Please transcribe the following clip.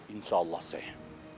insya allah seh